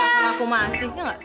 kamu ngaku masih ya ga